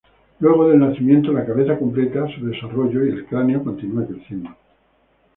Luego del nacimiento, la cabeza completa su desarrollo y el cráneo continúa creciendo.